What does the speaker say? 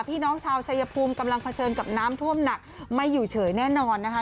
พี่น้องชาวชายภูมิกำลังเผชิญกับน้ำท่วมหนักไม่อยู่เฉยแน่นอนนะคะ